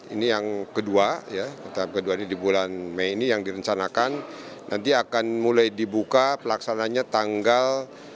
ini yang kedua di bulan mei ini yang direncanakan nanti akan mulai dibuka pelaksananya tanggal